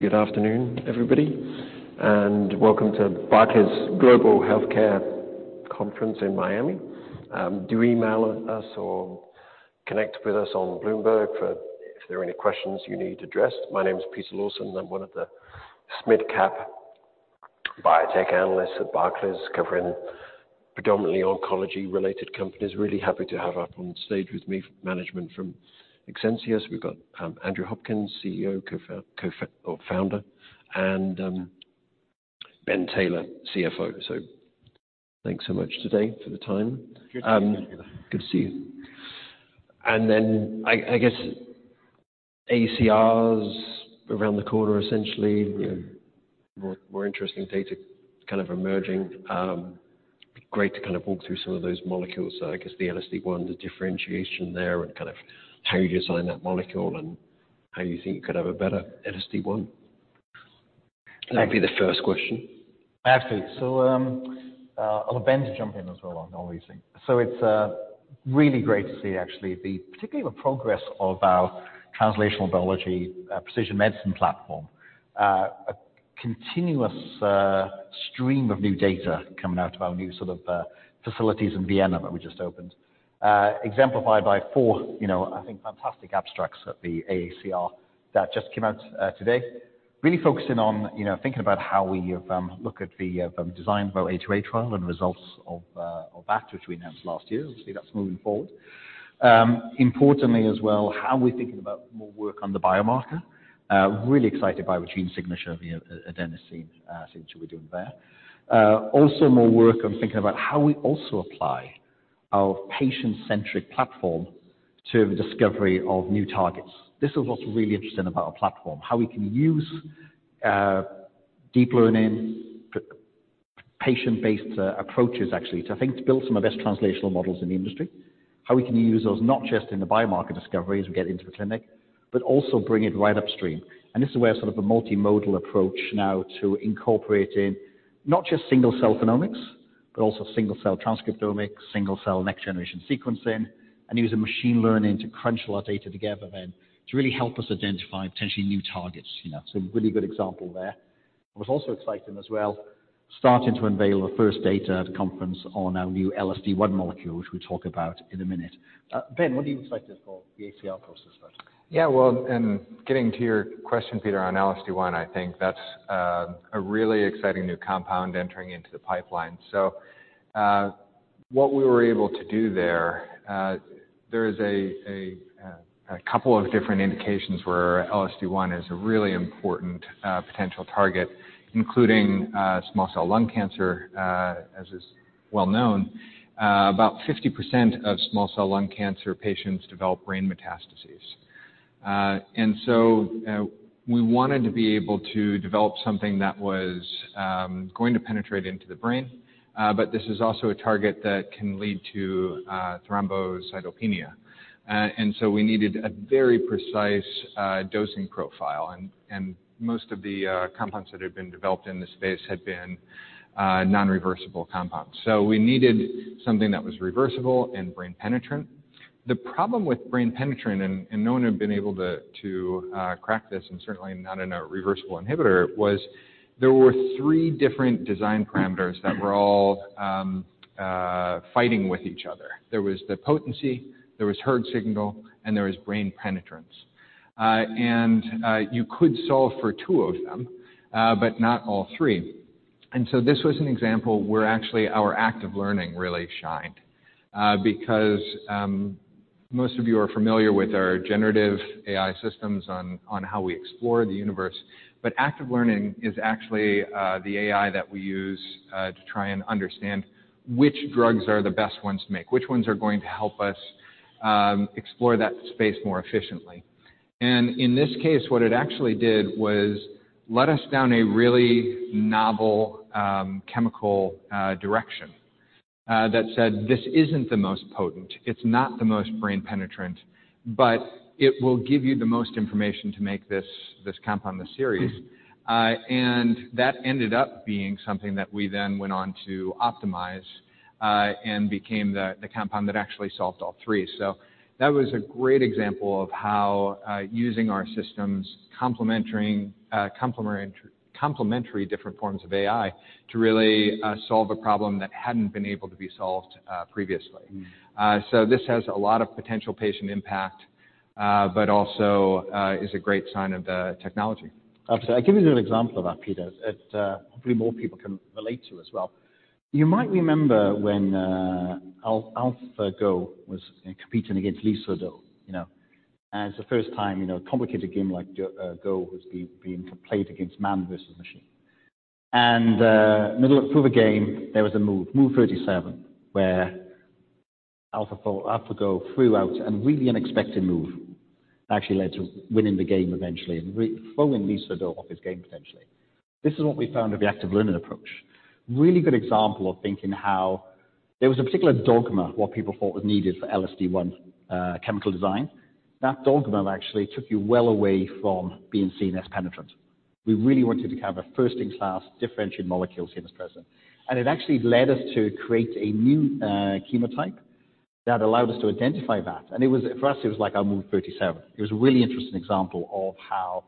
Good afternoon, everybody, and welcome to Barclays Global Healthcare Conference in Miami. Do email us or connect with us on Bloomberg for if there are any questions you need to address. My name is Peter Lawson. I'm one of the mid-cap biotech analysts at Barclays, covering predominantly oncology-related companies. Really happy to have up on stage with me management from Exscientia. We've got, Andrew Hopkins, CEO, founder, and Ben Taylor, CFO. Thanks so much today for the time. Good to see you. Good to see you. I guess AACR's around the corner, essentially, more, more interesting data kind of emerging. Great to kind of walk through some of those molecules. I guess the LSD1, the differentiation there and kind of how you design that molecule and how you think you could have a better LSD1. That'd be the first question. Absolutely. I'll have Ben to jump in as well on all these things. It's really great to see actually particularly the progress of our translational biology, Precision Medicine Platform. A continuous stream of new data coming out of our new sort of facilities in Vienna that we just opened. Exemplified by four, you know, I think fantastic abstracts at the AACR that just came out today. Really focusing on, you know, thinking about how we look at the design of our A2A trial and results of that which we announced last year. See that's moving forward. Importantly as well, how we're thinking about more work on the biomarker. Really excited by the Gene Signature, the adenosine signature we're doing there. Also more work on thinking about how we also apply our patient-centric platform to discovery of new targets. This is what's really interesting about our platform, how we can use deep learning, patient-based approaches, actually, to I think to build some of best translational models in the industry. How we can use those not just in the biomarker discovery as we get into the clinic, but also bring it right upstream. This is where sort of a multimodal approach now to incorporating not just single-cell genomics, but also single-cell transcriptomics, single-cell next-generation sequencing, and using machine learning to crunch all our data together then to really help us identify potentially new targets. You know, it's a really good example there. What was also exciting as well, starting to unveil our first data at a conference on our new LSD1 molecule, which we'll talk about in a minute. Ben, what are you excited for the AACR process about? Yeah. Well, getting to your question, Peter, on LSD-1, I think that's a really exciting new compound entering into the pipeline. What we were able to do there is a couple of different indications where LSD-1 is a really important potential target, including small cell lung cancer, as is well known. About 50% of small cell lung cancer patients develop brain metastases. We wanted to be able to develop something that was going to penetrate into the brain, but this is also a target that can lead to thrombocytopenia. We needed a very precise dosing profile, and most of the compounds that had been developed in this space had been non-reversible compounds. We needed something that was reversible and brain penetrant. The problem with brain penetrant, and no one had been able to crack this and certainly not in a reversible inhibitor, was there were three different design parameters that were all fighting with each other. There was the potency, there was hERG signal, and there was brain penetrance. You could solve for two of them, but not all three. This was an example where actually our active learning really shined, because most of you are familiar with our generative AI systems on how we explore the universe. Active learning is actually the AI that we use to try and understand which drugs are the best ones to make, which ones are going to help us explore that space more efficiently. In this case, what it actually did was led us down a really novel chemical direction that said, this isn't the most potent, it's not the most CNS penetrant, but it will give you the most information to make this compound, this series. That ended up being something that we then went on to optimize and became the compound that actually solved all three. That was a great example of how using our systems complementary different forms of AI to really solve a problem that hadn't been able to be solved previously. This has a lot of potential patient impact, but also, is a great sign of the technology. Absolutely. I'll give you an example of that, Peter, that hopefully more people can relate to as well. You might remember when AlphaGo was competing against Lee Sedol, you know. It's the first time, you know, a complicated game like Go was being played against man versus machine. Through the game, there was a move, Move 37, where AlphaGo threw out an really unexpected move, actually led to winning the game eventually and throwing Lee Sedol off his game potentially. This is what we found with the active learning approach. Really good example of thinking how there was a particular dogma, what people thought was needed for LSD-1 chemical design. That dogma actually took you well away from being CNS penetrant. We really wanted to have a first in class differentiated molecule, CNS penetrant. It actually led us to create a new chemotype that allowed us to identify that. It was, for us, it was like our Move 37. It was a really interesting example of how,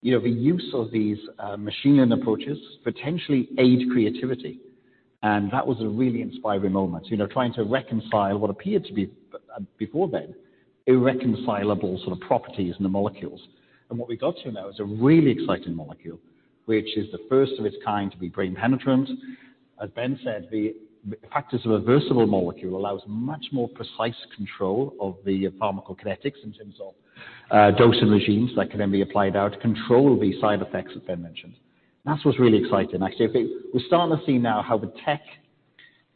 you know, the use of these machine learning approaches potentially aid creativity. That was a really inspiring moment, you know, trying to reconcile what appeared to be before then, irreconcilable sort of properties in the molecules. What we got to now is a really exciting molecule, which is the first of its kind to be brain penetrant. As Ben said, the practice of a reversible molecule allows much more precise control of the pharmacokinetics in terms of dosing regimes that can then be applied out, control the side effects that Ben mentioned. That's what's really exciting, actually. We're starting to see now how the tech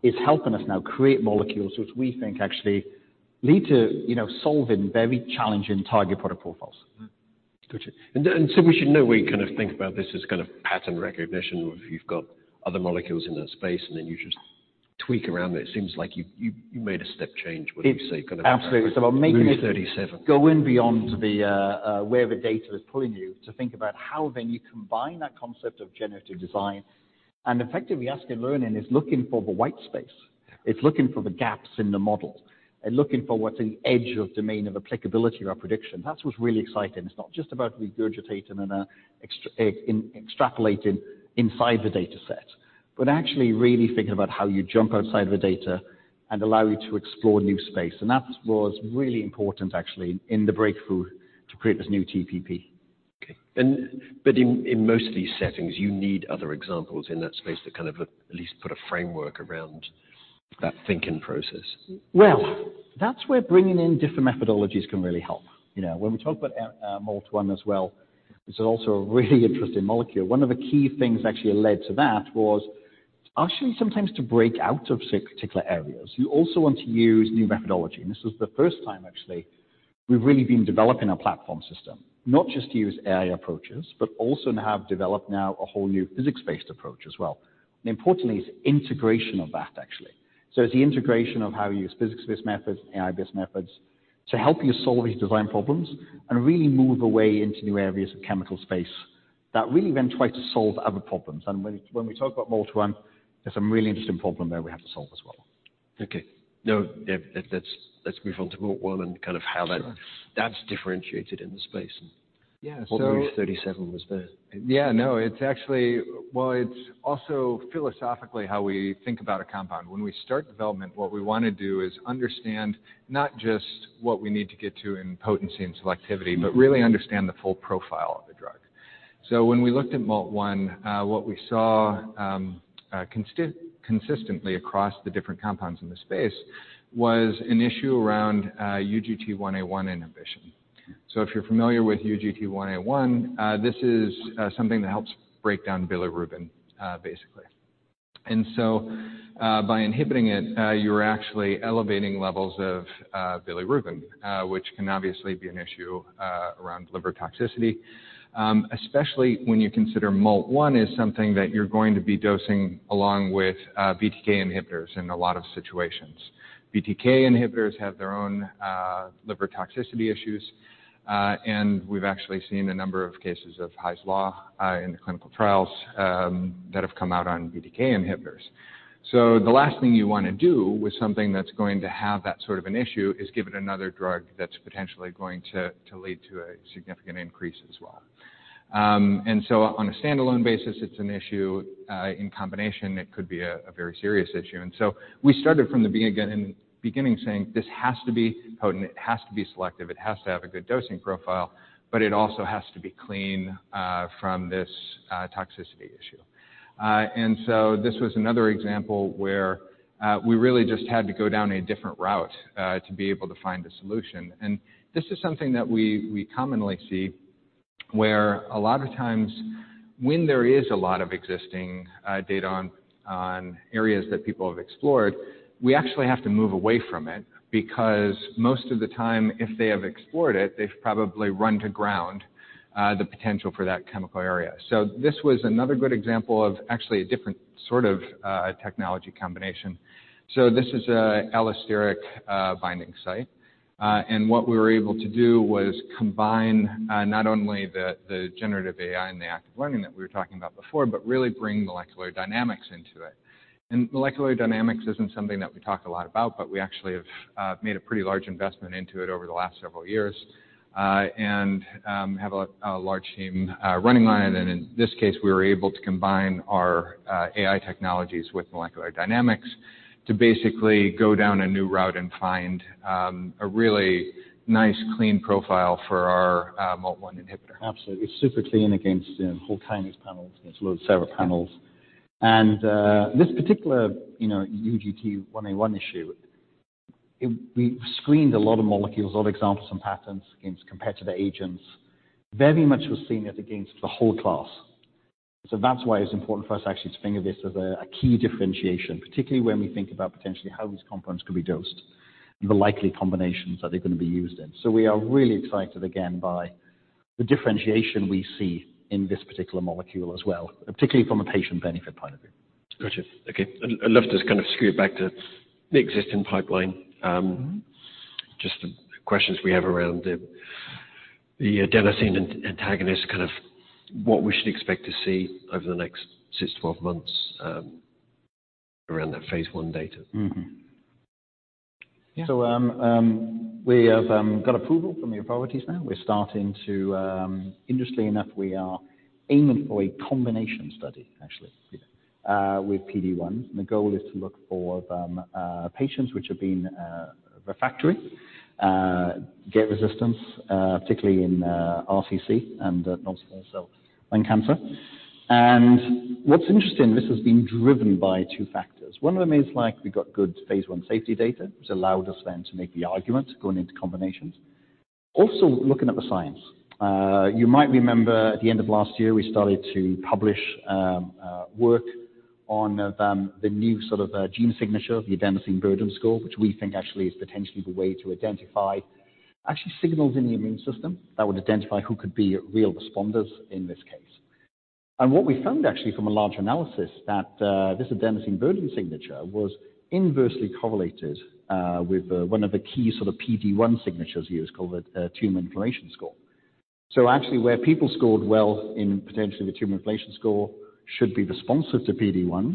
is helping us now create molecules which we think actually lead to, you know, solving very challenging target product profiles. Got you. We should know we kind of think about this as kind of pattern recognition or if you've got other molecules in that space and then you just tweak around it. It seems like you made a step change when you say. Absolutely. making it. Move 37. Go in beyond the where the data is pulling you to think about how then you combine that concept of generative design and effectively active learning is looking for the white space. It's looking for the gaps in the model and looking for what's an edge of domain of applicability of our prediction. That's what's really exciting. It's not just about regurgitating and extrapolating inside the data set, but actually really thinking about how you jump outside the data and allow you to explore new space. That was really important actually in the breakthrough to create this new TPP. Okay. In most of these settings, you need other examples in that space to kind of at least put a framework around that thinking process. That's where bringing in different methodologies can really help. You know, when we talk about MALT1 as well, it's also a really interesting molecule. One of the key things that actually led to that was actually sometimes to break out of certain particular areas. You also want to use new methodology, and this is the first time actually we've really been developing our platform system, not just to use AI approaches, but also have developed now a whole new physics-based approach as well. Importantly, it's integration of that actually. It's the integration of how you use physics-based methods and AI-based methods to help you solve these design problems and really move away into new areas of chemical space that really then try to solve other problems. When we talk about MALT1, there's some really interesting problem there we have to solve as well. Okay. Now, yeah, let's move on to MALT1 and kind of how. Sure. That's differentiated in the space. Yeah. What Move 37 was there? Yeah, no, it's actually, well, it's also philosophically how we think about a compound. When we start development, what we want to do is understand not just what we need to get to in potency and selectivity, but really understand the full profile of the drug. When we looked at MALT1, what we saw consistently across the different compounds in the space was an issue around UGT1A1 inhibition. If you're familiar with UGT1A1, this is something that helps break down bilirubin basically. By inhibiting it, you're actually elevating levels of bilirubin, which can obviously be an issue around liver toxicity, especially when you consider MALT1 is something that you're going to be dosing along with BTK inhibitors in a lot of situations. BTK inhibitors have their own liver toxicity issues, and we've actually seen a number of cases of Hy's law in the clinical trials that have come out on BTK inhibitors. The last thing you want to do with something that's going to have that sort of an issue is give it another drug that's potentially going to lead to a significant increase as well. On a standalone basis, it's an issue. In combination, it could be a very serious issue. We started from the beginning saying, this has to be potent, it has to be selective, it has to have a good dosing profile, but it also has to be clean from this toxicity issue. This was another example where we really just had to go down a different route to be able to find a solution. This is something that we commonly see where a lot of times when there is a lot of existing data on areas that people have explored, we actually have to move away from it because most of the time, if they have explored it, they've probably run to ground the potential for that chemical area. This was another good example of actually a different sort of technology combination. This is a allosteric binding site. What we were able to do was combine not only the generative AI and the active learning that we were talking about before, but really bring molecular dynamics into it. Molecular dynamics isn't something that we talk a lot about, but we actually have made a pretty large investment into it over the last several years, and have a large team running on it. In this case, we were able to combine our AI technologies with molecular dynamics to basically go down a new route and find a really nice clean profile for our MALT1 inhibitor. Absolutely. Super clean against, you know, whole kinase panels, you know, several panels. This particular, you know, UGT1A1 issue, we screened a lot of molecules, a lot of examples from patents against competitor agents. Very much was seen as against the whole class. That's why it's important for us actually to think of this as a key differentiation, particularly when we think about potentially how these compounds could be dosed and the likely combinations that they're going to be used in. We are really excited again by the differentiation we see in this particular molecule as well, particularly from a patient benefit point of view. Got you. Okay. I'd love to kind of scoot back to the existing pipeline. Just the questions we have around the. The adenosine antagonist, kind of what we should expect to see over the next six months to 12 months, around that phase I data. Yeah. We have got approval from the authorities now. We're starting to. Interestingly enough, we are aiming for a combination study, actually, with PD-1. The goal is to look for patients which have been refractory, get resistance, particularly in RCC and also lung cancer. What's interesting, this has been driven by two factors. One of them is like we got good phase 1 safety data, which allowed us then to make the argument going into combinations. Looking at the science. You might remember at the end of last year, we started to publish work on the new sort of gene signature of the Adenosine Burden Score, which we think actually is potentially the way to identify actually signals in the immune system that would identify who could be real responders in this case. What we found actually from a large analysis that this Adenosine Burden Signature was inversely correlated with one of the key sort of PD-1 signatures used called the Tumor Inflammation Signature. Actually, where people scored well in potentially the Tumor Inflammation Signature should be responsive to PD-1s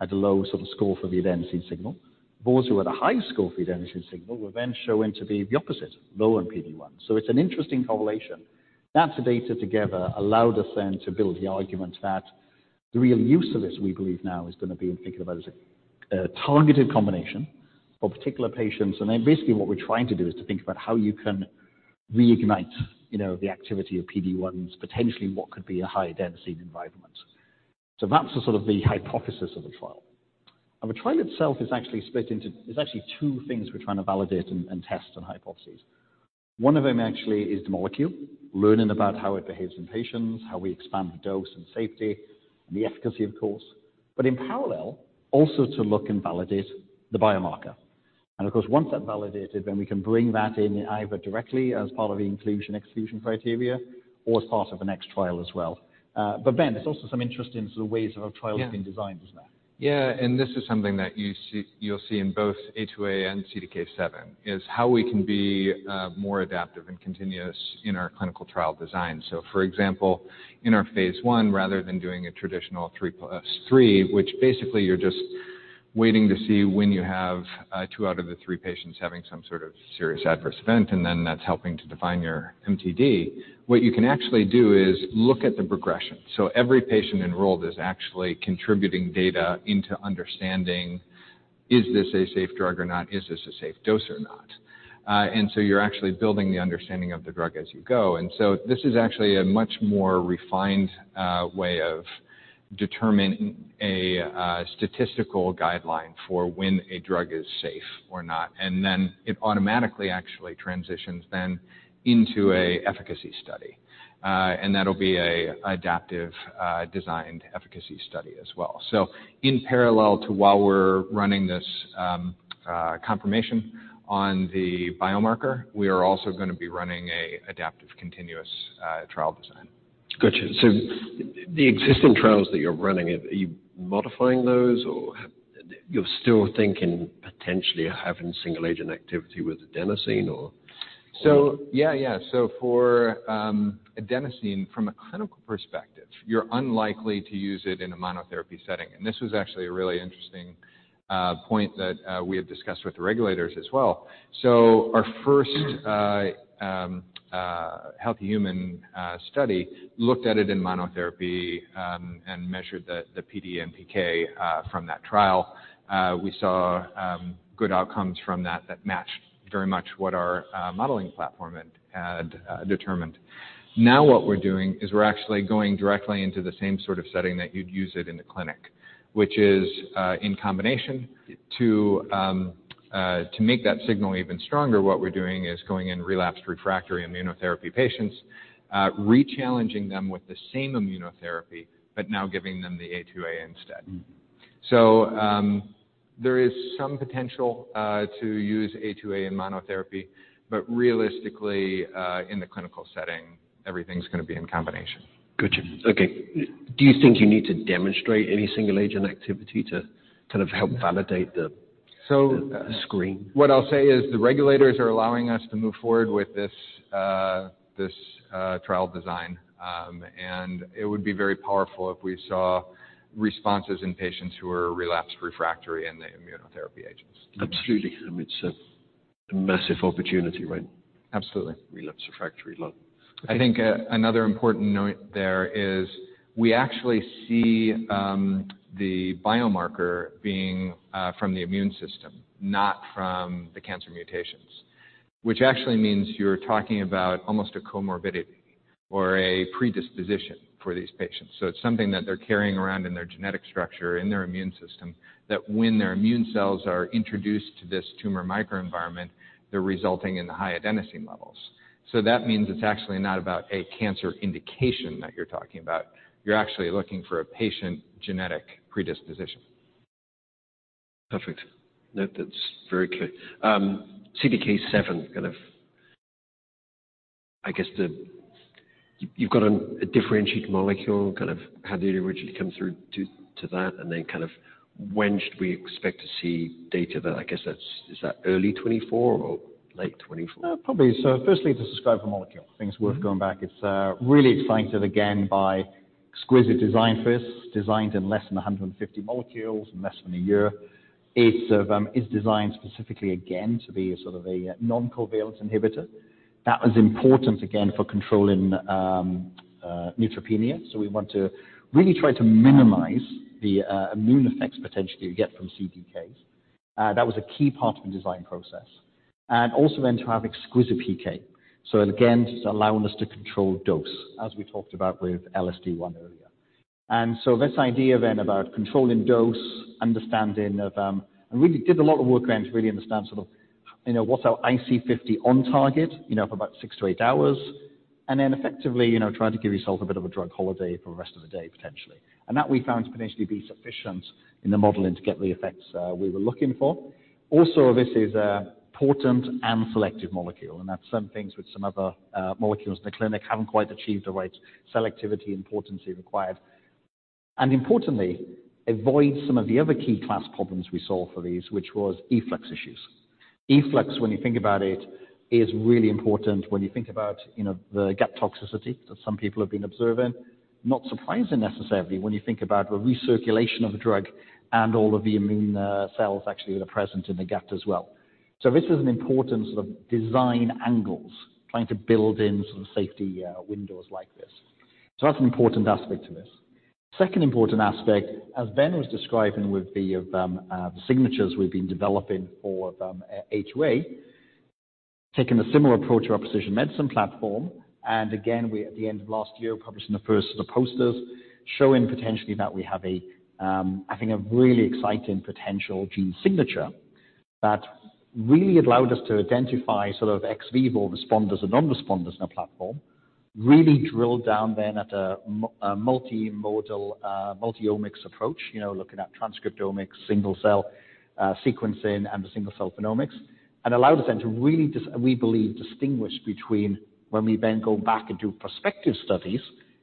at a low score for the adenosine signal. Those who had a high score for the adenosine signal will then show the opposite, low in PD-1. It's an interesting correlation. That data together allowed us then to build the argument that the real use of this, we believe now, is going to be in thinking about as a targeted combination for particular patients. Basically what we're trying to do is to think about how you can reignite, you know, the activity of PD-1s, potentially what could be a high adenosine environment. That's the sort of the hypothesis of the trial. The trial itself is actually split into. There's actually two things we're trying to validate and test in hypotheses. One of them actually is the molecule, learning about how it behaves in patients, how we expand the dose and safety and the efficacy, of course. In parallel, also to look and validate the biomarker. Of course, once that's validated, then we can bring that in either directly as part of the inclusion/exclusion criteria or as part of the next trial as well. Ben, there's also some interest in the ways our. Yeah been designed, isn't there? Yeah. This is something that you'll see in both A2A and CDK7, is how we can be more adaptive and continuous in our clinical trial design. For example, in our phase I, rather than doing a traditional 3+3, which basically you're just waiting to see when you have two out of the three patients having some sort of serious adverse event, and then that's helping to define your MTD, what you can actually do is look at the progression. Every patient enrolled is actually contributing data into understanding, is this a safe drug or not? Is this a safe dose or not? You're actually building the understanding of the drug as you go. This is actually a much more refined way of determining a statistical guideline for when a drug is safe or not. Then it automatically actually transitions then into a efficacy study. That'll be a adaptive designed efficacy study as well. In parallel to while we're running this confirmation on the biomarker, we are also going to be running a adaptive continuous trial design. Got you. The existing trials that you're running, are you modifying those or You're still thinking potentially having single agent activity with adenosine or? Yeah. Yeah. For adenosine from a clinical perspective, you're unlikely to use it in a monotherapy setting. This was actually a really interesting point that we had discussed with the regulators as well. Our first healthy human study looked at it in monotherapy and measured the PD and PK from that trial. We saw good outcomes from that that matched very much what our modeling platform had determined. What we're doing is we're actually going directly into the same sort of setting that you'd use it in a clinic, which is in combination. To make that signal even stronger, what we're doing is going in relapsed refractory immunotherapy patients, re-challenging them with the same immunotherapy, but now giving them the A2A instead. There is some potential to use A2A in monotherapy, but realistically, in the clinical setting, everything's going to be in combination. Got you. Okay. Do you think you need to demonstrate any single agent activity to kind of help validate? So- The screen? What I'll say is the regulators are allowing us to move forward with this trial design. It would be very powerful if we saw responses in patients who are relapsed refractory in the immunotherapy agents. Absolutely. I mean, it's a massive opportunity, right? Absolutely. Relapse refractory load. Okay. I think another important note there is we actually see, the biomarker being, from the immune system, not from the cancer mutations, which actually means you're talking about almost a comorbidity or a predisposition for these patients. It's something that they're carrying around in their genetic structure, in their immune system, that when their immune cells are introduced to this tumor microenvironment, they're resulting in the high adenosine levels. That means it's actually not about a cancer indication that you're talking about. You're actually looking for a patient genetic predisposition. Perfect. No, that's very clear. CDK7 kind of, I guess the You've got a differentiated molecule, kind of how did it originally come through to that, and then kind of when should we expect to see data? Is that early 2024 or late 2024? Probably. Firstly, to describe the molecule, I think it's worth going back. It's really excited again by exquisite design first, designed in less than 150 molecules in less than a year. It's designed specifically again to be a sort of a non-covalent inhibitor. That was important again for controlling neutropenia. We want to really try to minimize the immune effects potentially you get from CDK. That was a key part of the design process. Also then to have exquisite PK. Again, allowing us to control dose, as we talked about with LSD1 earlier. This idea then about controlling dose, understanding of... Really did a lot of work then to really understand sort of, you know, what's our IC50 on target, you know, for about six to eight hours. Effectively, you know, try to give yourself a bit of a drug holiday for the rest of the day, potentially. That we found to potentially be sufficient in the modeling to get the effects we were looking for. This is a potent and selective molecule, and that's some things which some other molecules in the clinic haven't quite achieved the right selectivity and potency required. Importantly, avoid some of the other key class problems we saw for these, which was efflux issues. Efflux, when you think about it, is really important when you think about, you know, the gut toxicity that some people have been observing. Not surprising necessarily when you think about the recirculation of a drug and all of the immune cells actually that are present in the gut as well. This is an important sort of design angles, trying to build in some safety windows like this. That's an important aspect to this. Second important aspect, as Ben was describing with the signatures we've been developing for 5-HT2A. Taking a similar approach to our precision medicine platform and again, we at the end of last year, publishing the first of the posters, showing potentially that we have a, I think a really exciting potential gene signature that really allowed us to identify sort of ex vivo responders and non-responders in our platform. Really drilled down then at a multi-modal, multi-omics approach. You know, looking at transcriptomics, single-cell sequencing and the single-cell phenomics. Allowed us then to really distinguish between when we then go back and do prospective studies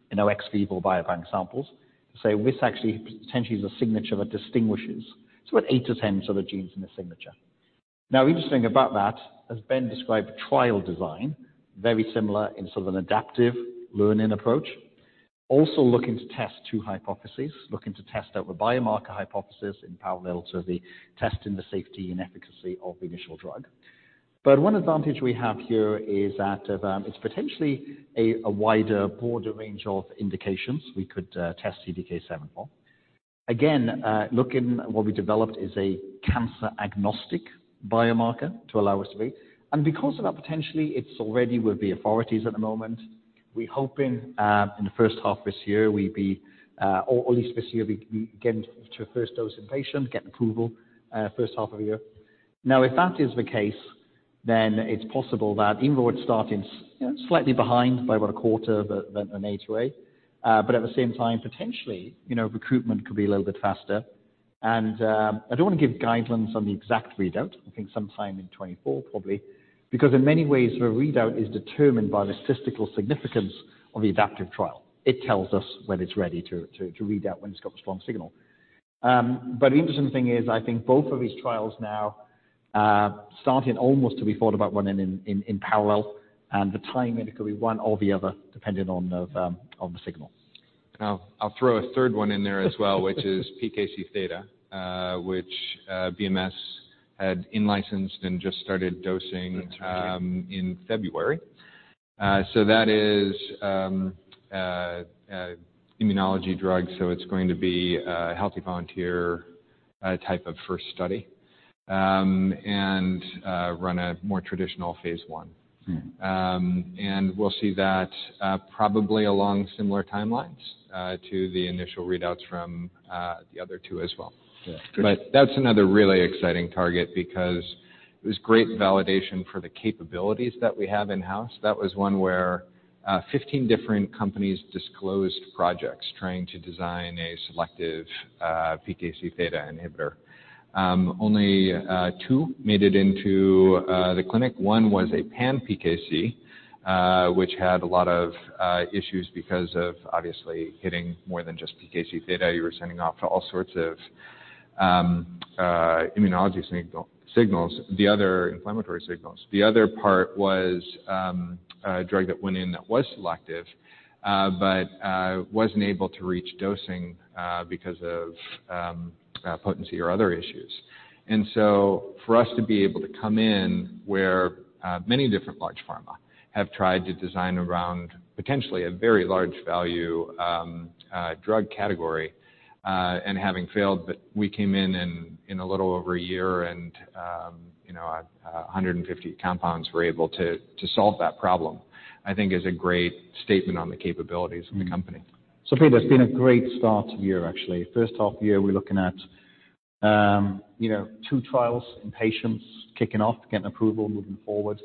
in our ex vivo biobank samples to say, this actually potentially is a signature that distinguishes. It's about eight to 10 sort of genes in the signature. Now, interesting about that, as Ben described, trial design, very similar in sort of an adaptive learning approach. Also looking to test two hypotheses, looking to test out the biomarker hypothesis in parallel to the testing the safety and efficacy of the initial drug. One advantage we have here is that it's potentially a wider, broader range of indications we could test CDK7 for. Again, looking what we developed is a cancer-agnostic biomarker to allow us to be. Because of that, potentially, it's already with the authorities at the moment. We're hoping in the first half of this year we'd be, or at least this year, we getting to a first dose in patient, get approval, first half of the year. If that is the case, it's possible that even though it's starting slightly behind by about a quarter of than an A2A, but at the same time, potentially, recruitment could be a little bit faster. I don't want to give guidelines on the exact readout. I think sometime in 2024 probably. Because in many ways, the readout is determined by the statistical significance of the adaptive trial. It tells us when it's ready to read out when it's got the strong signal. The interesting thing is, I think both of these trials now, starting almost to be thought about running in parallel and the timing could be one or the other, depending on the signal. I'll throw a third one in there as well, which is PKC theta, which BMS had in-licensed and just started dosing. That's right. in February. That is, immunology drug, so it's going to be a healthy volunteer, type of first study. Run a more traditional phase on We'll see that, probably along similar timelines, to the initial readouts from, the other 2 as well. Yeah. Good. That's another really exciting target because it was great validation for the capabilities that we have in-house. That was one where 15 different companies disclosed projects trying to design a selective PKC theta inhibitor. Only two made it into the clinic. One was a pan-PKC, which had a lot of issues because of obviously hitting more than just PKC theta. You were sending off all sorts of immunology signals. Inflammatory signals. The other part was a drug that went in that was selective, but wasn't able to reach dosing because of potency or other issues. For us to be able to come in where, many different large pharma have tried to design around potentially a very large value, drug category, and having failed, but we came in and in a little over a year and, you know, 150 compounds were able to solve that problem, I think is a great statement on the capabilities of the company. Peter, it's been a great start to the year actually. First half of the year, we're looking at, you know, two trials in patients kicking off, getting approval, moving forward.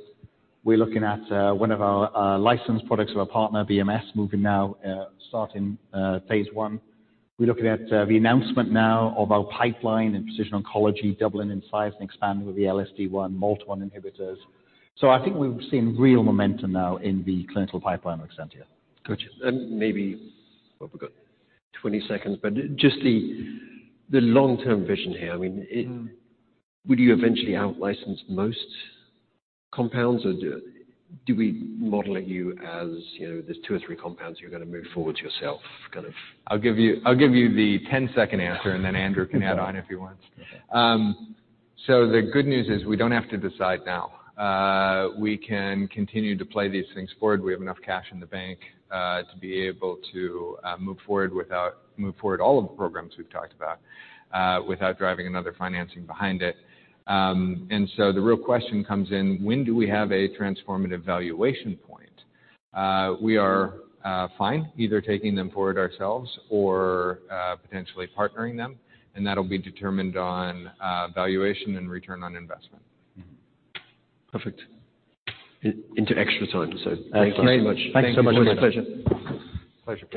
We're looking at one of our licensed products with our partner, BMS, moving now, starting phase I. We're looking at the announcement now of our pipeline in precision oncology, doubling in size and expanding with the LSD1, MALT1 inhibitors. I think we've seen real momentum now in the clinical pipeline of Exscientia. Got you. Maybe, what we got, 20 seconds, but just the long-term vision here. I mean, would you eventually out-license most compounds or do we model at you as, you know, there's two or three compounds you're going to move forward yourself kind of? I'll give you the 10-second answer and then Andrew can add on if he wants. Okay. The good news is we don't have to decide now. We can continue to play these things forward. We have enough cash in the bank to be able to move forward all of the programs we've talked about without driving another financing behind it. The real question comes in, when do we have a transformative valuation point? We are fine either taking them forward ourselves or potentially partnering them, and that'll be determined on valuation and return on investment. Perfect. Into extra time, so thanks very much. Thanks so much. It's always a pleasure. Pleasure.